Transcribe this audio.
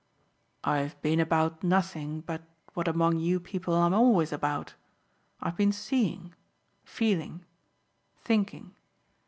"I've been about nothing but what among you people I'm always about. I've been seeing, feeling, thinking.